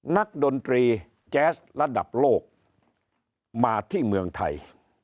ดนตรีแจ๊สระดับโลกมาที่เมืองไทย